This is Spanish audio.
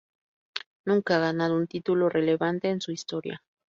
Nunca ha ganado un título relevante en su historia.